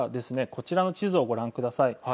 こちらの地図をご覧ください。